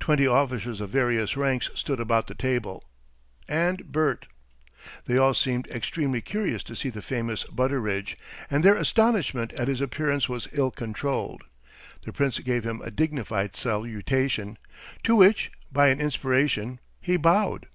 Twenty officers of various ranks stood about the table and Bert. They all seemed extremely curious to see the famous Butteridge, and their astonishment at his appearance was ill controlled. The Prince gave him a dignified salutation, to which, by an inspiration, he bowed.